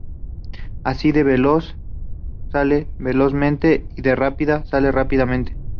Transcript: Así, de "veloz" sale "velozmente" y de "rápida" sale "rápidamente".